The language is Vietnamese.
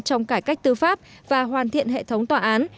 trong cải cách tư pháp và hoàn thiện hệ thống tòa án